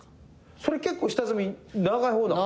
それ結構下積み長い方なん？